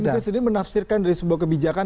apakah pentingnya menafsirkan dari sebuah kebijakan